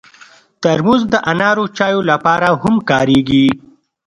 ترموز د انارو چایو لپاره هم کارېږي.